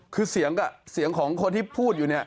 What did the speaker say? คือเสียงกับเสียงของคนที่พูดอยู่เนี่ย